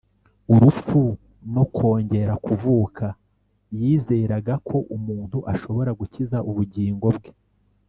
urupfu no kongera kuvuka yizeraga ko umuntu ashobora gukiza ubugingo bwe